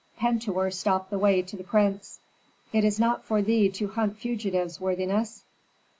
Pentuer stopped the way to the prince. "It is not for thee to hunt fugitives, worthiness."